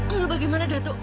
lalu bagaimana datuk